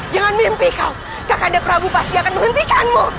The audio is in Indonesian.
jangan mimpi kau kakanda prabu pasti akan menghentikanmu